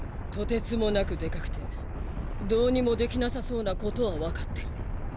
とてつもなくデカくてどうにもできなさそうなことはわかってる。